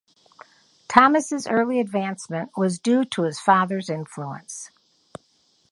Thomas's early advancement was due to his father's influence.